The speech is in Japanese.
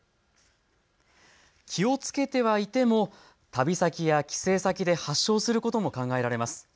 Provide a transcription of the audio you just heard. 気をつけてはいても旅先や帰省先で発症することも考えられます。